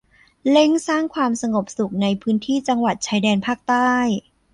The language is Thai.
เร่งสร้างความสงบสุขในพื้นที่จังหวัดชายแดนภาคใต้